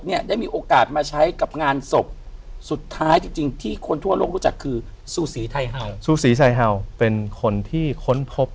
ใช่ใส่เข้าไปในปากนะครับเหมือนกับอีกได้เลย